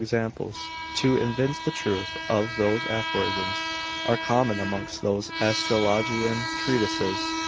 Instances and examples, to evince the truth of those aphorisms, are common amongst those astrologian treatises.